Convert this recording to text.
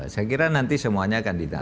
saya kira nanti semuanya akan didapat